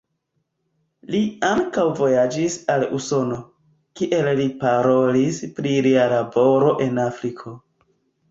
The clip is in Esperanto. Li ankaŭ vojaĝis al Usono, kie li parolis pri lia laboro en Afriko.